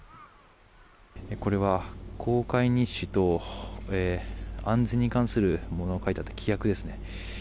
これは、航海日誌と安全に関するものが書いてあった規約ですね。